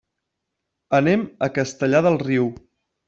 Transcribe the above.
Anem a Castellar del Riu.